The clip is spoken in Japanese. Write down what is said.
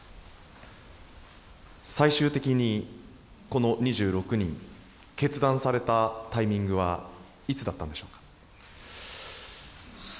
最終的にこの２６人、決断されたタイミングはいつだったんでしょうか。